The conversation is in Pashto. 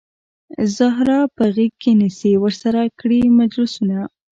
زهره په غیږ کې نیسي ورسره کړي مجلسونه